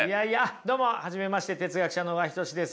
どうも初めまして哲学者の小川仁志です。